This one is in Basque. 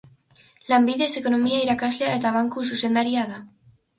Lanbidez ekonomia irakaslea eta banku zuzendaria da.